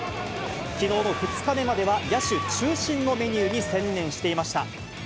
きのうの２日目までは、野手中心のメニューに専念していました。